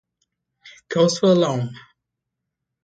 Cause for Alarm!